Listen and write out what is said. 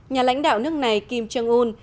nhà lãnh đạo nước này kim jong un